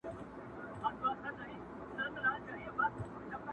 • هېره دي وعده د لطافت او د عطا نسي,